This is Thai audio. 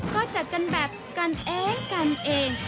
ก็จัดกันแบบกันเอง